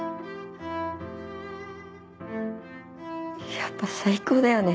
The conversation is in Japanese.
やっぱ最高だよね